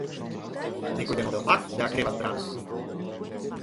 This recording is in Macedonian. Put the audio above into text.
Некој ден одел пак да ја креват брана.